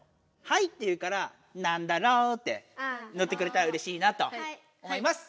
「はい」って言うから「なんだろう」ってのってくれたらうれしいなと思います。